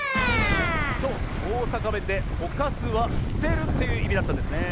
そうおおさかべんで「ほかす」は「すてる」といういみだったんですねえ。